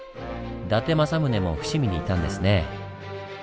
伊達政宗も伏見にいたんですね。